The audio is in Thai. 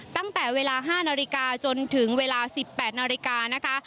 ตั้งแต่เวลา๕นาฬิกาจนถึงเวลา๑๘นาฬิกานะคะ